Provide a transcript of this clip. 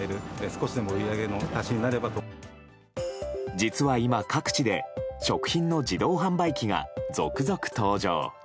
実は今、各地で食品の自動販売機が続々登場。